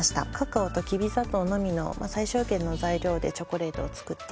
カカオときび砂糖のみの最小限の材料でチョコレートを作っていて。